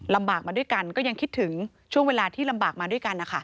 มาด้วยกันก็ยังคิดถึงช่วงเวลาที่ลำบากมาด้วยกันนะคะ